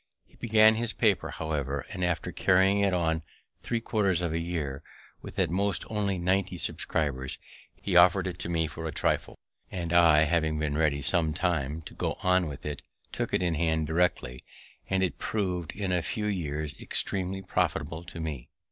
He began his paper, however, and, after carrying it on three quarters of a year, with at most only ninety subscribers, he offered it to me for a trifle; and I, having been ready some time to go on with it, took it in hand directly; and it prov'd in a few years extremely profitable to me.